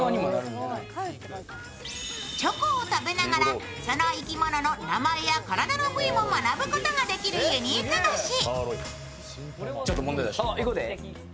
チョコを食べながら、その生き物の名前や体の部位も学ぶことができるユニーク菓子。